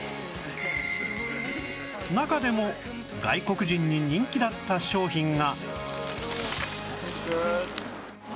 中でも外国人に人気だった商品が